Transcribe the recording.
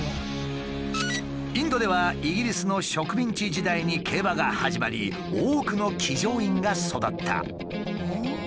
インドではイギリスの植民地時代に競馬が始まり多くの騎乗員が育った。